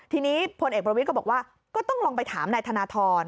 ทีนี้พลเอกประวิทย์ก็บอกว่าก็ต้องลองไปถามนายธนทร